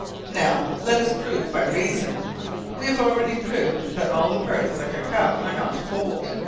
Now let us prove it by reason. Wee have already proved, that all the parts of the Cacao are not cold.